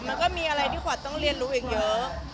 มันก็มีอะไรที่ขวัญต้องเรียนรู้อีกเยอะ